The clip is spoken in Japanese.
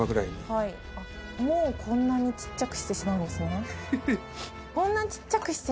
はいもうこんなに小っちゃくしてしまうんですね。